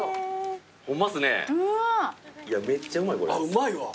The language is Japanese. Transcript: うまいわ。